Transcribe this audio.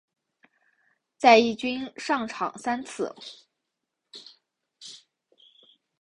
在一军上场三次。